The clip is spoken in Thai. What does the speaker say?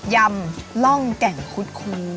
ยำล่องแก่งคุ้ด